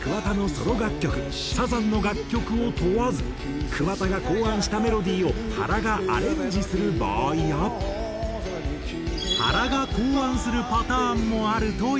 サザンの楽曲を問わず桑田が考案したメロディーを原がアレンジする場合や原が考案するパターンもあるという。